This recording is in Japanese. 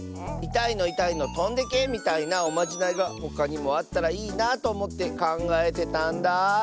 「いたいのいたいのとんでけ」みたいなおまじないがほかにもあったらいいなあとおもってかんがえてたんだ。